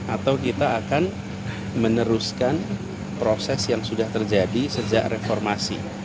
atau kita akan meneruskan proses yang sudah terjadi sejak reformasi